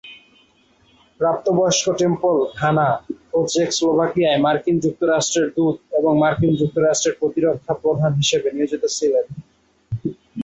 প্রাপ্তবয়স্ক Temple Ghana ও চেকস্লোভাকিয়ায় মার্কিন যুক্তরাষ্ট্রের দূত এবং মার্কিন যুক্তরাষ্ট্রের প্রতিরক্ষা প্রধান হিসেবে নিয়োজিত ছিলেন।